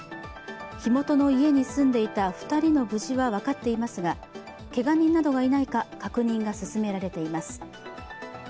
火元の家に住んでいた２人の無事は分かっていますがけが人などがいないか確認が進められています。